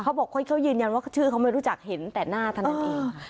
เขาบอกเขายืนยันว่าชื่อเขาไม่รู้จักเห็นแต่หน้าเท่านั้นเอง